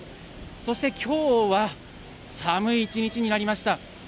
そしてきょうは、寒い一日になりました。